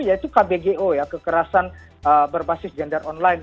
yaitu kbgo ya kekerasan berbasis gender online